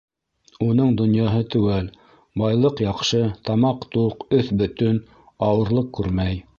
Уның донъяһы теүәл: байлыҡ яҡшы, тамаҡ туҡ, өҫ бөтөн, ауырлыҡ күрмәй.